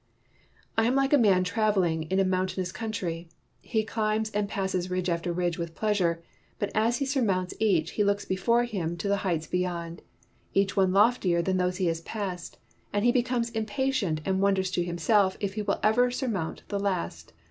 "I am like a man traveling in a moun tainous country. He climbs and passes ridge after ridge with pleasure. But as he surmounts each he looks before him to the heights beyond, each one loftier than those he has passed, and he becomes impatient, and wonders to himself if he will ever sur mount the last.